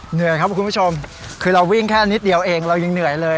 เหนื่อยครับคุณผู้ชมคือเราวิ่งแค่นิดเดียวเองเรายังเหนื่อยเลย